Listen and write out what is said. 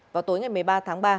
vào tối ngày một mươi ba tháng ba